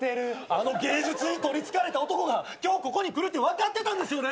あの芸術に取りつかれた男が今日ここに来るって分かってたんですよね？